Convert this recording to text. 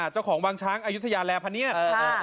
เจ้าของวางช้างอายุทยาแลพะเนียด